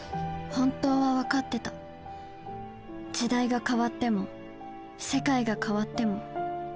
時代が変わっても世界が変わっても何も変わらない。